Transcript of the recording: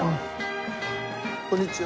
こんにちは。